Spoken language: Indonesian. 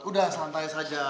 udah santai saja